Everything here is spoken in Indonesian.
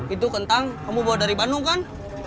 itu kentang kamu bawa dari bandung kan